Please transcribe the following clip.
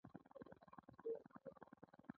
دا د پانګوال د شتمنۍ لویه او اصلي سرچینه ده